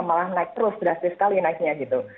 malah naik terus drastis sekali naiknya gitu